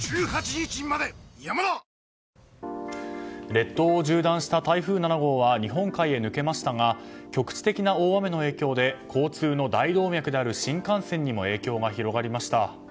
列島を縦断した台風７号は日本海へ抜けましたが局地的な大雨の影響で交通の大動脈である新幹線にも影響が広がりました。